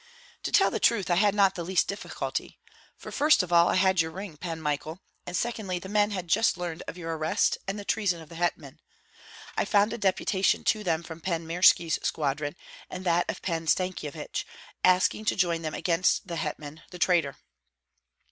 "To tell the truth, I had not the least difficulty; for first of all, I had your ring, Pan Michael, and secondly, the men had just learned of your arrest and the treason of the hetman. I found a deputation to them from Pan Mirski's squadron and that of Pan Stankyevich, asking to join them against the hetman, the traitor.